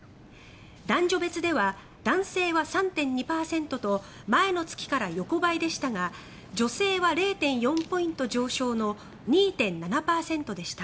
男女別では男性は３．２％と前の月から横ばいでしたが女性は０．４ポイント上昇の２．７％でした。